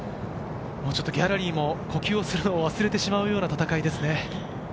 ギャラリーも呼吸をするのを忘れてしまうような戦いですね。